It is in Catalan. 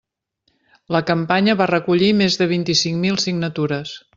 La campanya va recollir més de vint-i-cinc mil signatures.